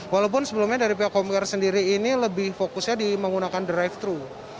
walaupun sebelumnya dari pihak komputer sendiri ini lebih fokusnya di menggunakan drive thru